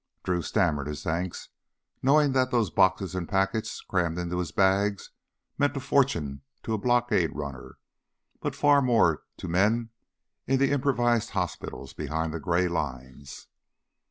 Drew stammered his thanks, knowing that those boxes and packets crammed into his bags meant a fortune to a blockade runner, but far more to men in the improvised hospitals behind the gray lines.